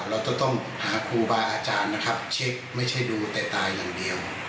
เราจะต้องหาครูบาอาจารย์นะครับเช็คไม่ใช่ดูแต่ตายอย่างเดียว